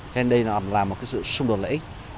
thế nên đây là một sự xung đột lợi ích